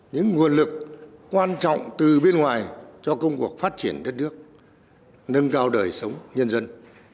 được quan trọng từ bên ngoài cho công cuộc phát triển đất nước nâng cao đời sống nhân dân